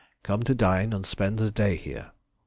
Come to dine and spend the day here.